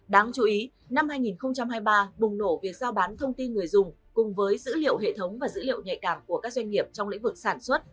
đáng chú ý năm hai nghìn hai mươi ba bùng nổ việc giao bán thông tin người dùng cùng với dữ liệu hệ thống và dữ liệu nhạy cảm của các doanh nghiệp trong lĩnh vực sản xuất